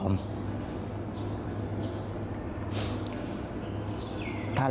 ถ้าเราไม่ติดคุกเราก็คงมีโอกาสทำศพพ่อ